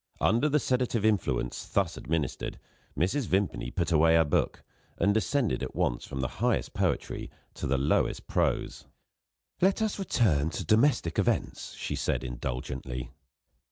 Under the sedative influence thus administered, Mrs. Vimpany put away her book, and descended at once from the highest poetry to the lowest prose. "Let us return to domestic events," she said indulgently.